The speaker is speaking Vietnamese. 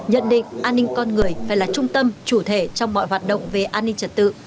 nhận định an ninh con người phải là trung tâm chủ thể trong mọi hoạt động về an ninh trật tự